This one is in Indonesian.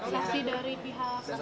saksi dari pihak